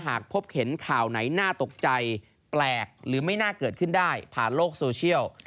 หากพบเห็นข่าวไหนน่าตกใจแปลกหรือไม่น่าเกิดขึ้นได้ผ่านโลกโซเชียล